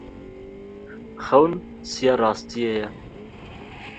Xewn siya rastiyê ye.